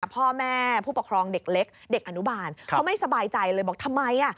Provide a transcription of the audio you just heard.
พ่อแม่ผู้ปกครองเด็กเล็กเด็กอนุบาลเขาไม่สบายใจเลยบอกทำไม